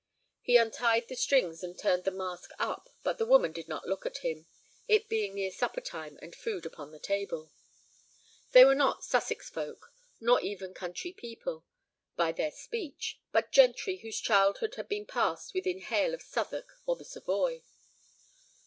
He untied the strings and turned the mask up, but the woman did not look at him, it being near supper time and food upon the table. They were not Sussex folk, nor even country people, by their speech, but gentry whose childhood had been passed within hail of Southwark or the Savoy.